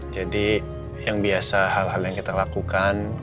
jadi yang biasa hal hal yang kita lakukan